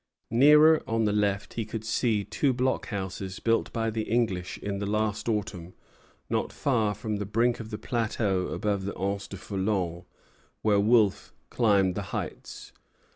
Nearer, on the left, he could see two blockhouses built by the English in the last autumn, not far from the brink of the plateau above the Anse du Foulon where Wolfe climbed the heights.